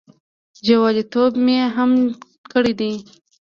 جوالیتوب مې هم کړی دی.